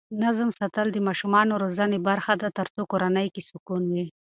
نظم ساتل د ماشومانو روزنې برخه ده ترڅو کورنۍ کې سکون وي.